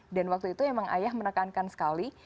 dan waktu itu emang ayah menekankan sekali